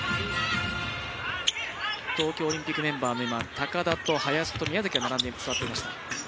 東京オリンピックメンバーの高田、林宮崎が並んで座っていました。